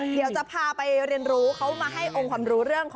เดี๋ยวจะพาไปเรียนรู้เขามาให้องค์ความรู้เรื่อง